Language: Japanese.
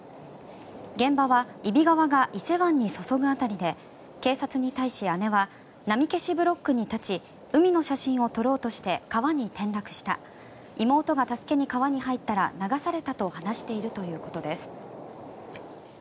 現場は揖斐川が伊勢湾にそそぐ当たりで警察に対し、姉は波消しブロックに立ち海の写真を撮ろうとして川に転落した妹が助けに川に入ったら流されたと話しているということです。